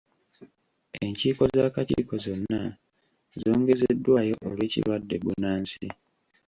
Enkiiko z'akakiiko zonna zongezeddwayo olw'ekirwadde bbunansi.